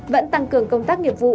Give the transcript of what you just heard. vẫn tăng cường công tác nghiệp vụ